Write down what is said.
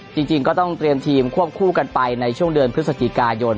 จริงก็ต้องเตรียมทีมควบคู่กันไปในช่วงเดือนพฤศจิกายน